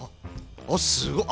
あっすごい！